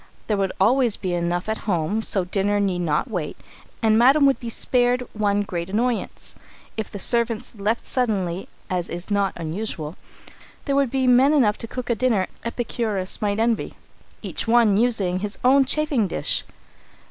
There would always be enough at home so dinner need not wait, and Madam would be spared one great annoyance. If the servants left suddenly, as is not unusual, there would be men enough to cook a dinner Epicurus might envy, each one using his own chafing dish.